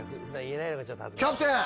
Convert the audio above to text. キャプテン。